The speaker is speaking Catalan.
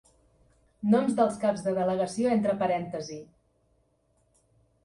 Noms dels caps de delegació entre parèntesi.